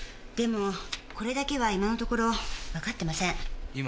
でもこれだけは今のところわかってません。